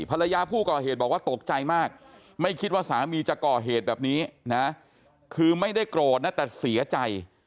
ภรรยาผู้ก่อเหตุบอกว่าตกใจมากไม่คิดว่าสามีจะก่อเหตุแบบนี้นะคือไม่ได้โกรธนะแต่เสียใจ